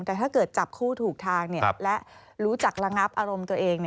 แต่ถ้าเกิดจับคู่ถูกทางและรู้จักระงับอารมณ์ตัวเอง